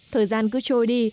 thời gian cứ trôi đi